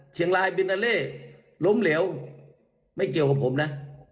เชียงรายบินนาเล่ล้มเหลวไม่เกี่ยวกับผมนะ